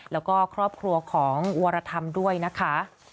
แล้วก็ครอบครัวของวรธรรมด้วยนะคะ